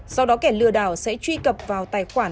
sau đó kẻ lừa đảo sẽ truy cập vào tài khoản